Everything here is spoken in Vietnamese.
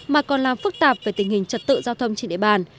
mà còn làm phức tạp về tình hình trật tự giao thông trên địa bàn